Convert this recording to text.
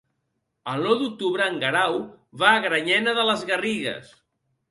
El nou d'octubre en Guerau va a Granyena de les Garrigues.